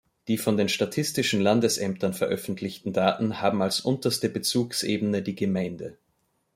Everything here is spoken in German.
Die von den Statistischen Landesämtern veröffentlichten Daten haben als unterste Bezugsebene die Gemeinde.